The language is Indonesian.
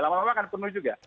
lama lama akan penuh juga